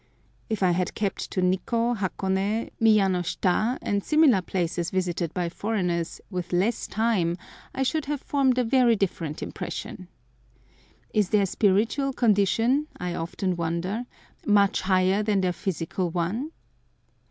If I had kept to Nikkô, Hakone, Miyanoshita, and similar places visited by foreigners with less time, I should have formed a very different impression. Is their spiritual condition, I often wonder, much higher than their physical one?